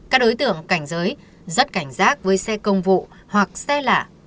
các đối tượng cảnh giới rất cảnh giác với xe công vụ hoặc xe lạ